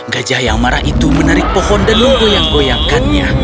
gajah yang marah itu menarik pohon dan menggoyang goyangkannya